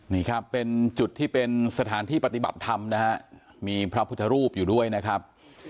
นี่ครับเป็นจุดที่เป็นสถานที่ปฏิบัติธรรมนะฮะมีพระพุทธรูปอยู่ด้วยนะครับ